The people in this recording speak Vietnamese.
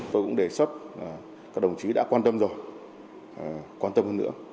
tôi cũng đề xuất các đồng chí đã quan tâm rồi